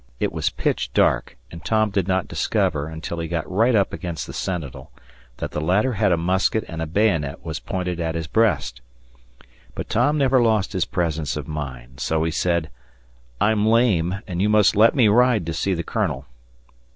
It was pitch dark, and Tom did not discover, until he got right up against the sentinel, that the latter had a musket and a bayonet was pointed at his breast. But Tom never lost his presence of mind. So he said, "I am lame, and you must let me ride to see the Colonel."